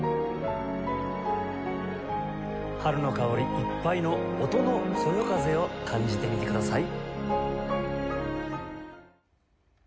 春の香りいっぱいの音の「そよ風」を感じてみてください。